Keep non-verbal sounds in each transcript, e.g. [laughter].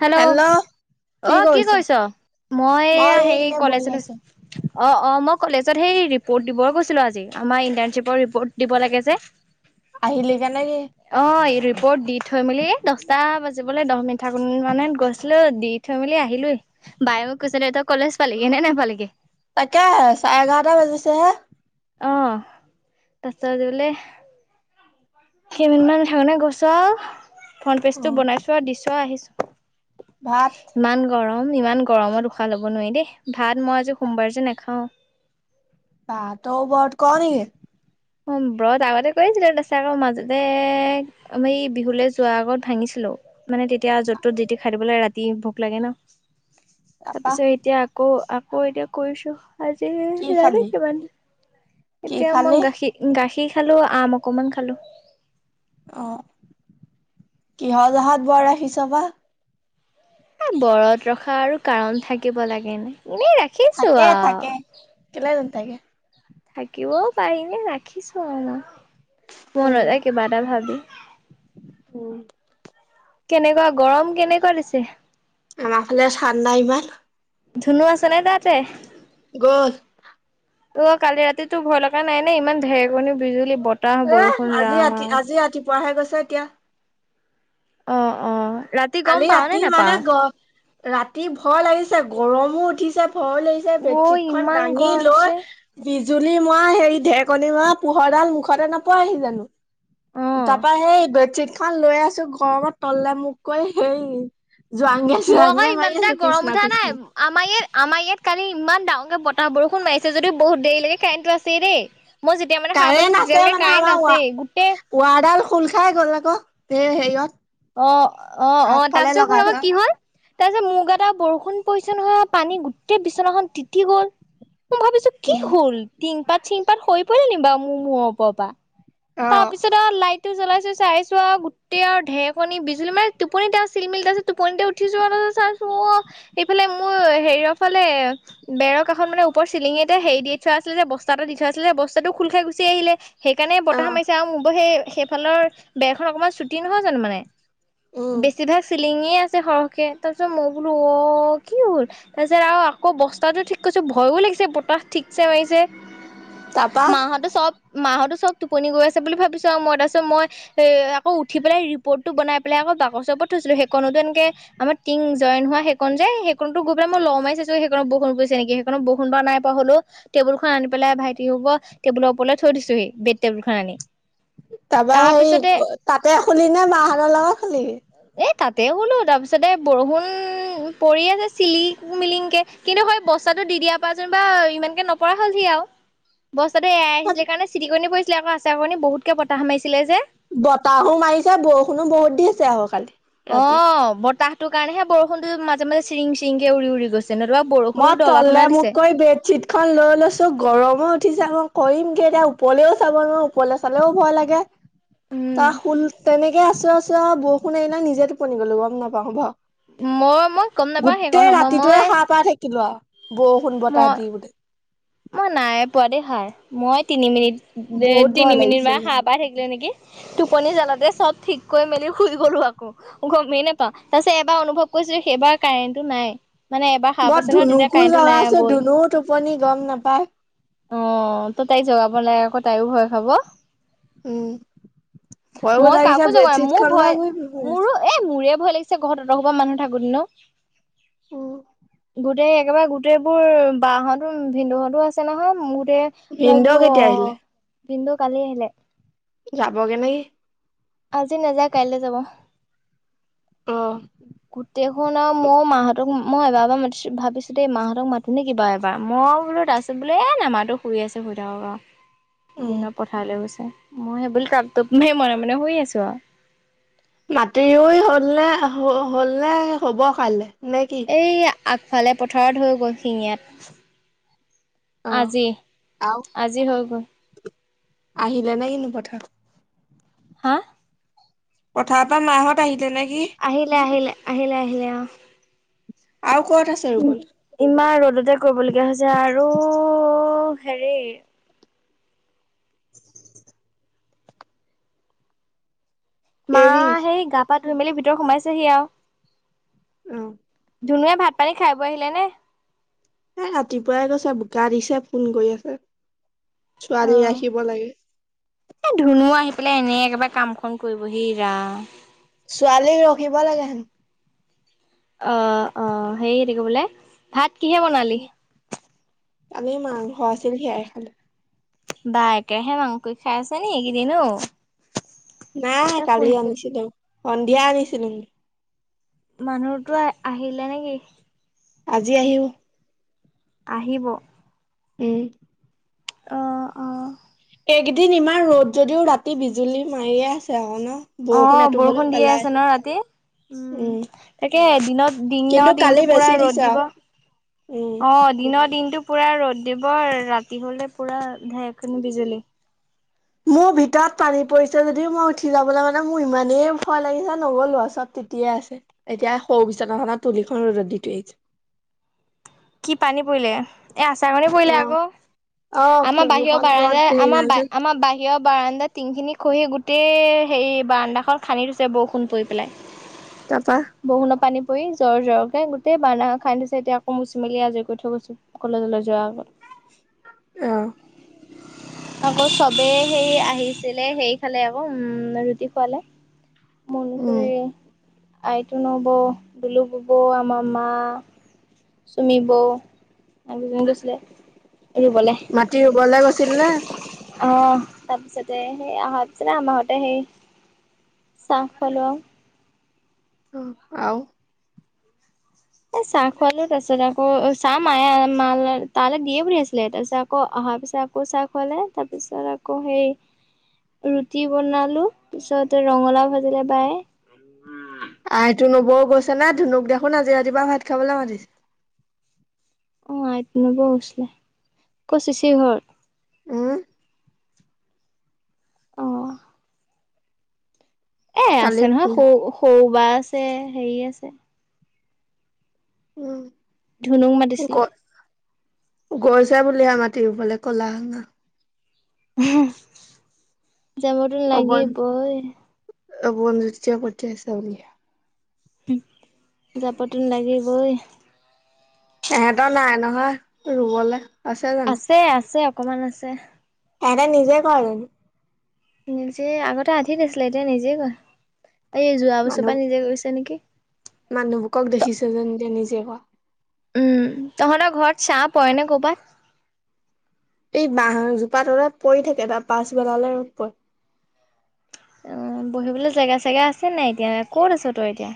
Hello অ' কি কৰিছো মই এয়া এই হেৰি এনে বহি কলেজ আছো। ওলাইছোঁ। অ' অ' মই কলেজত সেই ৰিপৰ্ট দিব গৈছিলো। আজি আমাৰ ইণ্টাৰ্ণশ্বিপৰ ৰিপৰ্ট দিব লাগে যে। আহিলেগি কে নেকি। ভোট দি থৈ মেলি দচ। দচটা বাজিবলৈ দহ মিনিট থাকোতে মানে গৈছিলো দি থৈ মেলি আহিলো বায়ে কৈছে তই ক'লে কলেজ পালিগে নাপালিগে। তাকেহে চাৰে এঘাৰটা বাজিছেহে। অ' তাৰ পিছত বোলে। কেইমিনিটমান থাকোতে গৈছো আ। ফ্ৰণ্ পেজ অ টো বনাইছো আৰু দিছো আহিছো। ভাত ইমান গৰম। উম, ইমান গৰমত উশাহ ল'ব নোৱাৰি দেই। ভাত মই আজি সোমবাৰ যে নেখাওঁ। বাহ তই ব্ৰত কৰো নেকি। অ' ব্ৰত আগতে কৰিছিলো তাপিছত আকৌ মাজতে আমি বিহু যোৱাৰ আগত ভাঙিছিলো। মানে তেতিয়া য'ত ত'ত যিতি খাই দিবলৈ ৰাতি ভোক লাগে ন। তাপা তাৰপিছত এতিয়া আকৌ আকৌ এতিয়া কৰিছো। আজি কি খালি? কিমান কি এতিয়া মই খালি? গাখীৰ গাখী গাখীৰ খালোঁ আম অকমান খালোঁ। অ' কিহ জহত ব্ৰত ৰাখিছ বা। ব্ৰত ৰখা আৰু কাৰণ থাকিব লাগে নে। এনেই ৰাখিছো থাকে থাকে। আহ। কেলে নাথাকে? থাকিবও পাৰি এনে ৰাখিছো আৰু উম মনতে কিবা এটা ভাবি। উম। কেনেকুৱা গৰম কেনেকুৱা দিছে। আমাৰ ফালে চান্দা ইমান। ধুনু আছে নাই তাতে। গ'ল। অ' কালি ৰাতি তোৰ ভয় লগা নাই নে ইমান ঢেৰকনী, বিুজুলী। এ আজি ৰাতি আজি ৰাতিপুৱাহে গৈছে কিয়। অ' অ'। ৰাতি গম কালি পাও নে ৰাতি মানে নাপাও ৰাতি ভয় লাগিছে, গৰমো উঠিছে। ভয় লাগিছে, অ বেডশ্বীট খন ইমান দাঙি গৰম লৈ দিছে বি বিজুলি মৰা হেৰি ঢেৰকণী মৰা পোহৰ ডাল মুখতে নপয়েহি জানো। তাৰপা হেই বেডশ্বিট খন লৈ আছো গৰমত তললে মোখ কৈ হেই। মই আকৌ ইমান এটা গৰম উঠা নাই, কৃষ্ণ আমাৰ ইয়াত আমাৰ ইয়াত কালি ইমান ডাঙৰকে বতাহ বৰষুণ মাৰিছে যদিওঁ বহুত দেৰিলৈকে কাৰেণ্টটো আছেই দেই। মই যেতিয়া মানে সাৰ পাইছো কাৰেণ্ট আছে তেতিয়ালৈকে মানে কাৰেণ্ট আমাৰ ৱৰ আছেই গোটেই ৱাৰডাল খোল খাই গ'ল আকৌ হেৰিয়ত। অ' অ' অ' আগফালে তাৰপিছত লগাই শুন অ'ক থোৱা কি হ'ল। তাৰপিছত মোৰ গাত আহ বৰষুণ পৰিছে নহয় পানী গোটেই বিচনাখন তিতি গ'ল। মই ভাবিছো কি উম হ'ল টিংপাত চিংপাত খৰি পৰিলনি বা মোৰ মূৰৰ ওপৰৰ পৰা। অ তাৰ পিছত আৰু লাইটটো জ্বলাইছো। চাইছো আৰু গোটেই আৰু ঢেৰকনী বিজুলী মানে টোপনিতে আৰু চিলমিলি টোপনিতে উঠিছোৱা আৰু চাইছো টো সিফালে মোৰ হেৰিয়ৰ ফালে বেৰকাখন মানে ওপৰ চিলিঙতে হেৰি দি থোৱা। আছিলে যে, বস্তাটো দি থৈ আছিলে যে বস্তাটো খোল খাই গুচি আহিলে সেইকাৰণে অ সোমাইছে আৰু মোৰ সেই সেইফালৰ বেৰখন অকণমান ছুটি নহয় জানো মানে উম বেছিভাগ চ লিঙি আছে সৰহকে তাৰ পিছত মই বোলো অ', কি হ'ল তাৰপিছত আৰু আকৌ বস্তা টো ঠিক কৈছ ভয় লাগি বতাহ ঠিক মাৰি তাৰপা মাহ মাহ টোপনি গৈ আছে বুলি ভাবিছো, মই তাৰপছত মই এ আকৌঠিেলাই ৰিপৰ্টটো বনাই পেলাই আকৌ বাকচৰ থ [unintelligible] সেইকনো এনেক আম টিং জইন হোৱা সেন যে সেকতো গৈ পেলাই মই লমাইছো সেইক নেকি সেইখন বাৰু বাৰ নাই পা হলো টেবুলখন আনি পেলাই ভাইি হব টেবুল ওৰ থ দিছোহি বে টেবুল খন আনি তাৰপা হেৰি তাৰপিছতে তাতে শুলি নে মাহঁতৰ লগত শুলিহি। এ তাতে শুলো তাৰ পিছতে বৰষুণ পৰি আছে চিলিং মিলিংকে কিন্তু হয় বস্তাত দি দিয়াৰ পৰা যেন বা ইমানকে নপৰা হ'লহি আৰু। বস্তাটো এয়াইিছিলে কাৰণে চিতিকণী পৰিছিলে আকৌ আছে কণী বহুতকে পত সামাইছিলে যে। বতাহো মাৰিছে, বৰষুণো বহুত দি আছে আহ কালি। ৰাতি অ', বতাহটোৰ কাৰণেহে বৰষুণতো মাজে মাজে চিৰিং চিৰিংকে উৰি উৰি গৈছে। নতুবা বৰষুণো মই তলে দবাখনা মোক দিছে। কৈ বেডশ্বিট খন লৈ লৈছো গৰমে উঠি যাব কৰিমগে, এতিয়া ওপৰলেও চাব নোৱাৰো ওৰলে চালেও ভয় লাগে। উম তাৰ শুল তেনেকে আছো আছো বৰষুণ এইবিলাক নিজে টোপনি গলো গম নাপাওঁ ব মই মই গম নাপাওঁ সেইকণ গোটেই সময় ৰাতিটোয়ে মই সাৰ পাই থাকে লোৱা বৰষুণ বতাহ মই দি বোলে। মই নাই পোৱ দেই সাৰ। মই, তিনি মিনিট বহুত ভয় তিনি মিনিট লাগিছে মান মোৰ সাৰ পাহ থাকিলো নেকি টোপনি জালাতে চব ঠিককৈ মেলি শুই গলো আকৌ গমেই নাপাওঁ তাৰ পিছত এবাৰ অনুভৱ কৰিছো সেইবাৰ কাৰেণ্টটো নাই মানে, এবাৰ সাপ মই আছে ন তেতিয়া ধুনুকো কাৰেণ্টটো নাই জগাইছো আৰু গল। ধুনুও টোপনি গম নাপায় অ', তো তাইক জগাব নালাগে আকৌ তাইও ভয় খাব। উম ভয়ো মই লাগিছে কাকো জগাম বেডশ্বীট মোৰ খন ভয় লৈ শুই মোৰো আছো। এই মোৰে ভয় লাগিছে ঘৰত অতশুপা মানুহ থাকো তেনো গোটেই একেবাৰে গোটেইবোৰ বাহতো ভিন্দুহঁতো আছে নহয় যে মোৰ ভিনদেউ বোলো কেতিয়া অ', বিন্দু কালি আহিলে। যাব কে নেকি। আজি নাযায়, কাইলৈ যাব। অ',। দেখোন আৰু মই মাহঁতক মই এবাৰ মাতিছো ভাবিছো দেই মাহঁতক মাতোনে কিবা এবাৰ মই বোলো আছো বোলে এ, নামাতো শুই আছো শুই থাকক আৰু। উম। দিনৰত পথাৰলৈ গৈছে মই সেইব মান মানে শুই আছো আৰু। মাটিও ৰুই হল ন হ'ব কাইলৈ নে কি? এই আগফালে পথাৰত হৈ গ'ল শিঙিয়াত। অ', আজি আৰু আজি হৈ গল। আহিলে নে নাই কিনো পথাৰ হা। পথাৰত পৰা মাহত আহিলে নে। আহিল, আহিল, আহিল, আহিল। আৰু ক'ত আছে ৰুবলে? ইমান ৰ'দতে কৰিবলগীয়া হৈছে আৰু হেৰি মা, এৰি সেই গা পা ধুই মেলি ভিতৰত সোমাইছেহি আৰু। আহ। ধুনুুৱে ভাত পানী খাই ব আহিলে নে। এ ৰাতিপুৱাই গৈছ বোকা দিছে ফোন কৰি আছে। অ ছোৱালী আহিব লাগে। এ ধুনু আহি পেলাই এনেই একেবাৰে কামখন কৰিবহি ৰা ছোৱালীক ৰখিব লাগে হেন। অ', অ' সেই এটো কিবোলে ভাত কিহে বনালি? কালিৰ মাংস আছিল সেইয়াই খালোঁ। বা একেৰাহে মাংস খাই আছে নি এইকেইদিন অ' নাই তই ফোন কালি কৰি আনিছিলো সন্ধিয়া আনিছিলো মানুহতো আহিলে নেকি? আজি আহিল। আহিব উম' অ', অ' এইকেদিন ইমান ৰ'দ যদিও ৰাতি বিজুলী মাৰিয়ে আছে আৰু ন বৰষুণ অ' এটোপ হলেও বৰষুণ দিয়ে পেলাই আছে ন ৰাতি উম' তাকে দিনত কিন্তু দিনৰ কালি দিনটো পুৰা বেছি দিছে ৰ'দ দিব আৰু উম অ' দিনৰ দিনতটো পুৰা ৰ'দ এইবাৰ ৰাতি হ'লে পুৰা ঢেৰেকণি বিজুলী মোৰ ভিতৰত পানী পৰিছে যদিও মই উঠি যাবলৈ মানে মোৰ ইমানেই ভয় লাগিছে নগ'লো আৰু। পাছত এতিয়াই আছে এতিয়া সৰু বিচনাখনত তুলিখন ৰ'দত দি থৈ আহিছোঁ। কি পানী পৰিলে? এ আচাৰকণী পৰিলে অ আকৌ অ আমাৰ বাহিৰৰ বাৰান্দা খিৰিকীখনত হেৰি নাই আমাৰ যে আমাৰ বাহিৰৰ বাৰান্দা টিংখিনি খহি গোটেই হেৰি বাৰাণ্দাখন খান্দি থৈছে বৰষুণ পৰি পেলাই। তাৰপা বৰষুণৰ পানী পৰি জৰ জৰকে গোটেই বাৰান্দা খান্দি থৈছে এতিয়া আকৌ মুচ মেলি আজৰি কৰি থৈ গৈছো কলেজলৈ যোৱাৰ আগত অ' [inaudible] আকৌ চবেই সেই আহিছিলে সেই খালে আকৌ উম' ৰুটি খোৱালে। মুন উম খুৰী আইটো ন'বৌ বুলু বব আমাৰ মা চুমি বৌ ইহঁত দুজনী গৈছিলে। ৰুবলে। মাটি ৰুবলে গৈছিল নে? অ' তাৰপিছতে সেই অহাপিছতে আমাৰ ঘৰতে সেই চাহ খুৱালোঁ আৰু অ' আৰু এ চাহ খুৱালোঁ তাৰ পিছত আকৌ চাহ মায়ে মাল তালৈ দিয়ে পঠিয়াইছিলে তাৰপিছত আকৌ অহাৰ পিছত আকৌ চাহ খুৱালে, তাৰপিছত আকৌ সেই ৰুটি বনালো পিছত ৰঙালাও ভাজিলে বাই আইতু নবৌও গৈছে নে? ধুনুক দেখোন আজি ৰাতিপুৱা ভাত খাবলৈ মাতিছে। অ' আইতু ন'বৌ গৈছিলে। ক'ত চিচি ঘৰত? উম অঁ' এ কালি আছে নহয় সৰু সৰু বা আছে হেৰি আছে উম' ধুনুক গ মাতিছিলে গৈছে বুলিহে মাটি ৰুবলে, ক'লা হয় যাবতো লাগিবৈ। অবন জ্যোতিয়ে পঠিয়াইছে বুলি যাবটো লাগিবই। এহেঁতৰ নাই নহয় ৰুবলৈ আছে আছে অকমান আছে। ইহঁতে নিজে কৰে নেকি? নিজে আগতে আধি দিছিলে এতিয়া নিজেই কৰে। মানুহ, মানুহবকক ত দেখিছে যেন যে নিজে কৰা। উম তহঁতৰ ঘৰত চাহ পৰে নে কৰ'বাত? এই বাঁহ জোপা তলত পৰি থাকে, ত পাঁছ বেলালে ৰ'দ পৰে। উম, বহিবলৈ জেগা চেগা আছে নাই এতিয়া? ক'ত আছ তই এতিয়া?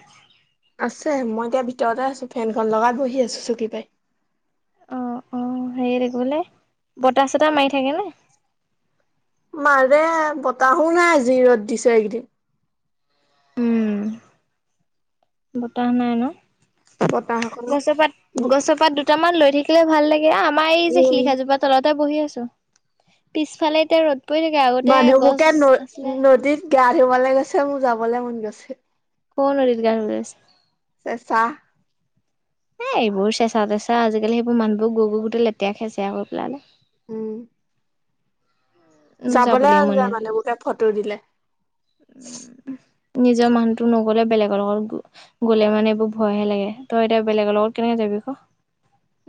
আছে মই এতিয়া ভিতৰতে আছো ফেনখন লগাই বহি আছো চকী পাৰি। অ', অ', সেই তাকে বোলে বতাহ চতাহ মাৰি থাকেনে? মাৰে বতাহো নাই আজি ৰ'দ দিছে এইকেইদিন। উম, বতাহ নাই ন? বতাহ অকনো গছৰপাত, গছৰ পাত দুটামান লৰি থাকিলে ভাল লাগে। আমাৰ এই যে উম শিলিখাাজোপা তলতে বহি আছোঁ, পিছফালে এতিয়া ৰ'দ দি মানুহবোকে ন-নদীত গা ধুবলৈ গৈছে, মোৰ যাবলৈ মন গৈছে। ক'ৰ নদীত গা ধুই আছে? চেঁচা। এ, এইবোৰ চেঁচা-তেচা, আজিকালি সেবোৰ মানুহবোৰ গৈ গৈ গোটেই লেতেৰা-খেচেয়া কৰি পেলালে। উম। যাবলৈ মন যায় মানে লোকে ফটো দিলে। নিজৰ মানুহতো নগ'লে, বেলেগৰ লগত গ-গ'লে মানে এইবোৰ ভয়হে লাগে। তই এতিয়া বেলেগৰ লগত কেনেকে যাবি? যাবি ক?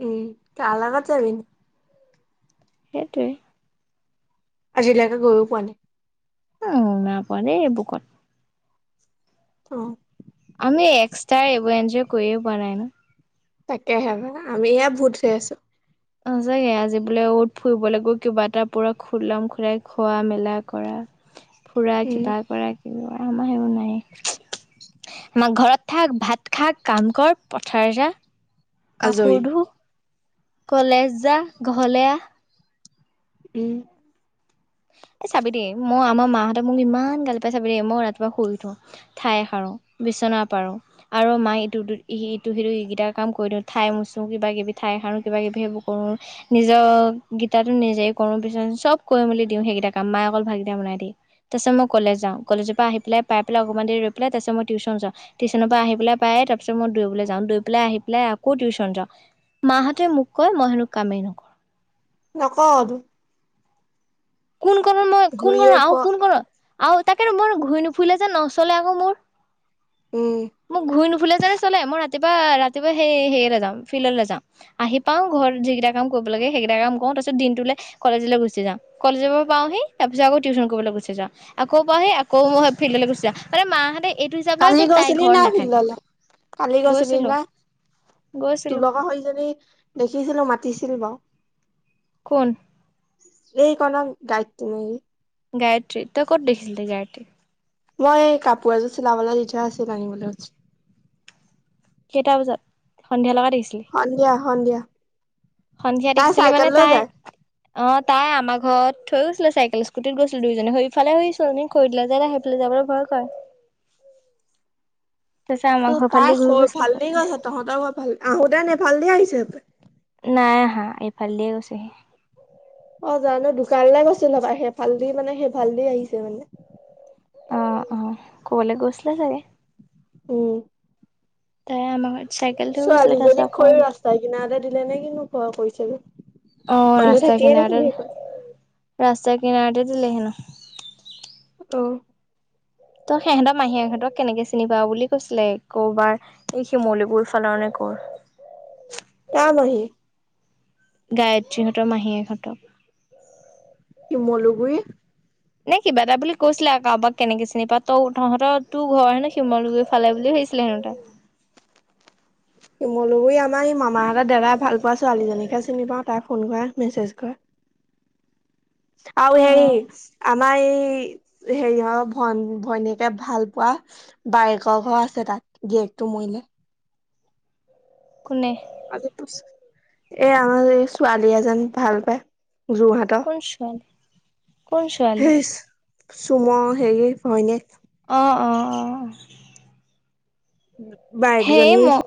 উম, লগত যাবিনো? সেইটোৱেই। আজিলৈকে গৈও পোৱা নাই। উ, নাই পোৱা দেই এবুকত। অ'। আমি এক্সট্ৰাই এইবোৰ এনজয় কৰিয়ে পোৱা নাই ন? তাকেহে পায় আমিহে ভূত হৈ আছোঁ। সচাকে, আজি বোলে অ'ত ফুৰিবলে গৈ কিবা এটা পুৰা খুলম খোলাকে খোৱা-মেলা কৰা। ফুৰা উম কিবা কৰা কিবি কৰা আমাৰ সেইবোৰ নায়েই। আমাৰ ঘৰত থাক, ভাত খা, কাম কৰ, পথাৰ যা, কাপোৰ আজৰি ধো। কলেজ যা, ঘৰলে আহ। উম। [inaudible] এই চাবি দেই, মই আমাৰ মাহঁতে মোক ইমান গালি পাৰে চাবি দেই মই ৰাতিপুৱা শুই উঠো, ঠাই সাৰো, বিছনা বিচনা পাৰোঁ আৰু মা ইটো- ইটো, হিটো -সিটো এইকেইটা কাম কৰি দিওঁ। ঠাই মোচো, কিবা কিবি ঠাই সাৰো কিবা, কিবি সেইবোৰ কৰোঁ, নিজৰ গীতাতো নিজেই কৰোঁ, বিছনা-চিচনা চব কৰি মেলি দিওঁ সেইগিতা কাম, মাই অকল ভাতগিতা বনাই দিয়ে। তাৰপিছত মই কলেজ যাওঁ, কলেজৰ পৰা আহি পেলাই পাই পেলাই অকমান দেৰি ৰৈ পেলাই তাৰপিছত মই টিউশ্যন যাওঁ। টিউশ্যনৰ পৰা আহি পেলাই পায়েই তাৰপিছত মই দৌৰিবলৈ যাওঁ। দৌৰি পেলাই আহি পেলাই আকৌ টিউশ্যন। যাওঁ। মাহঁতে মোক কয় মই হেনো কামেই নকৰোঁ। নকৰতো। কোন কনত মই কোন কনত? ঘূৰিয়ে আউ পোৱা কোন কনত আউ তাকে মই ঘুই নুফুইলে যে নচলে আকৌ মোৰ। উম মোক ঘুই নুফুই ফুইলে জানো চলে? মই ৰাতিপুৱা, ৰাতিপুৱা সেই সেইয়ালে যাম ফিল্ডলে যাম, আহি পাওঁ ঘৰত যিগিতা কাম কৰোঁ। কৰিব লাগে সেইকেইটা কাম কৰোঁ। তাৰপিছত দিনটোলে কলেজলে গুচি যাওঁ। কলেজৰ পৰা পাওঁহি, তাৰপিছত আক' টিউচন কৰিবলৈ গুচি যাওঁ। যাওঁ, আকৌ পাওহি আকৌ মই ফিল্ডলৈ গুচি যাওঁ, মানে মাহঁতে এইটো হিচাপ লয় যে তাই ছিলি ন, ঘৰত নাথাকে ফিল্ডলে কালি গৈছিলি গৈছিলো নে? তুৰ গৈছিলো লগৰ সৈইজনী দেখিছিলো মাতিছিল বাওঁ। কোন? এই কি নাম গায়ত্ৰী নেকি? গায়ত্ৰী তই ক'ত দেখিছিল তই গায়ত্ৰীক মই কাপোৰ এযোৰ চিলাবলৈ দি থোৱা আছিল আনিবলৈ গৈছিলো। কেইটা বজাত, সন্ধিয়া লগাত। সন্ধিয়া, সন্ধিয়া। সন্ধিয়া তাই দেখিছিলি চাইকেল মানে লৈ তাই যায় অহ তাই আমাৰ ঘৰত। থৈ গৈছিলে চাইকেল স্কুটিত গৈছিলো দুইজনী সেইফালে ছোৱালী জনী খৰি দিলে যে তাই সেইফালে যাবলৈ ভয় কৰে। তাৰপাছত আমাৰ ঘৰ ফালেদি ঘূৰি গৈছে। ঠিক আছে তহঁতৰ ঘৰ ফাল আহোতেন এইফালেদি আহিছো [unintelligible] নাই অহা, এইফালে দিয়ে গৈছেহি। অহ' জানো দোকানলৈ গৈছিল হ'বলা সেইফালদি মানে সেইফালেদি আহিছে মানে। অহ' অহ' কৰবালে গৈছিলে চাগে। উম। তাই আমাৰ ঘৰত চাইকেল থৈ গৈছিলে তাৰপিছত ছোৱালীজনীক আকৌ খৰি ৰাস্তা কিনাৰতে দিলে নে কিনো ভয় কৰিছে যে? অহ' ৰাস্তা কিনাৰতে ৰাস্তা কিনাৰতে দিলে হেনো। আহ। তই সিহঁতৰ মাহীয়েকহঁতক কেনেকে চিনি পাৱ বুলি কৈছিলে কৰবাৰ এই শিমলুপুৰ ফালৰ নে ওপৰ। এয়েৰ মাহী গায়ত্ৰীহঁতৰ মাহীয়েকহঁতক। শিমলুগুৰি। নে কিবা এটা বুলি কৈছিলে আৰু কাৰোবাক কেনেকে চিনি পাৱ তই তহঁতৰ তোৰ ঘৰ হেনো শিমলুগুৰি ফালে বুলি ভাবি ছিলে হেনো তই। শিমলুগুৰি আমাৰ সেই মামাহঁতৰ দাদাই ভাল পোৱা ছোৱালীজনীকহে চিনি পাওঁ। তাই ফোন কৰে মেছেজ কৰে। আৰু হেৰি অ', আমাৰ এই হেৰি অহ' ভন ভনীয়েকে ভাল পোৱা। বায়েক ঘৰ আছে তাত গিয়েকটো মৰিলে। কোনে? [unintelligible] এই আমাৰ ছোৱালী এজনী ভাল পায়। যোৰহাটৰ কোন ছোৱালী কোন ছোৱালী হেইচ। চুমৰ হেৰি ভনীয়েক। অহ' অহ' অহ'। বায়েক জনীয়ে